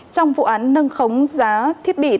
trong vụ án nâng khống giá thiết bị